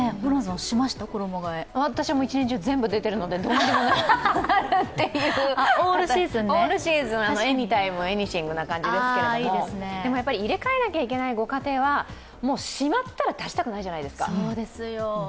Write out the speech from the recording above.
私、一年中、全部出ているのでオールシーズン、エニタイムエニシングみたいな感じですけど入れ替えないといけないご家庭はしまったら出したくないじゃないですか。